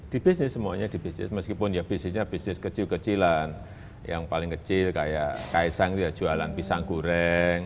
di bisnis semuanya di bisnis meskipun ya bisnisnya bisnis kecil kecilan yang paling kecil kayak kaisang itu ya jualan pisang goreng